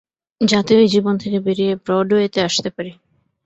যাতে ওই জীবন থেকে বেরিয়ে ব্রডওয়েতে আসতে পারি।